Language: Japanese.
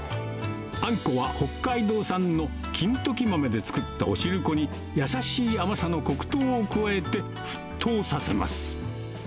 あんこは北海道産のきんとき豆で作ったおしるこに、優しい甘さの黒糖を加えて沸騰させます。